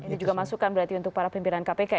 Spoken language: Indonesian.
ini juga masukan berarti untuk para pimpinan kpk ya